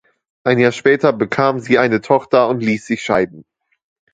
Ein Jahr später bekam sie eine Tochter und ließ sich scheiden.